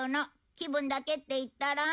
気分だけって言ったろ。